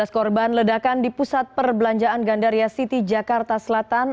dua belas korban ledakan di pusat perbelanjaan gandaria city jakarta selatan